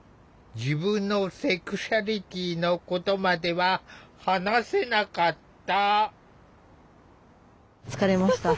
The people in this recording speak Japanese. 自分のセクシュアリティーのことまでは話せなかった。